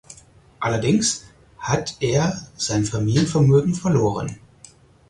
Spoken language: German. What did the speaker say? Allerdings hat er sein Familienvermögen verloren.